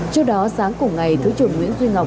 trước đó sáng cùng ngày thứ trưởng nguyễn duy ngọc